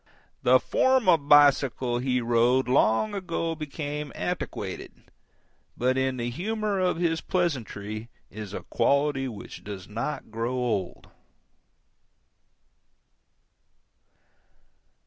The form of bicycle he rode long ago became antiquated, but in the humor of his pleasantry is a quality which does not grow old.